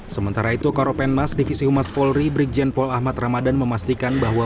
sementara itu korupen mas divisi humas polri brigjen paul ahmad ramadan memastikan bahwa